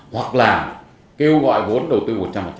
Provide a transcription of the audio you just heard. hoặc là kêu gọi vốn đầu tư một trăm linh